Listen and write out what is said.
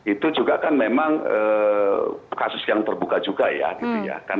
itu juga kan memang kasus yang terbuka juga ya